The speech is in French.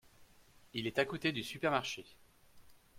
Il est à côté du supermarché.